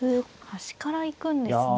端から行くんですね。